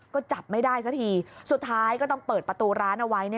ก็จับไม่ได้สักทีสุดท้ายก็ต้องเปิดประตูร้านเอาไว้